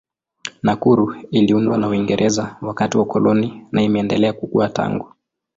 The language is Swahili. Nakuru iliundwa na Uingereza wakati wa ukoloni na imeendelea kukua tangu.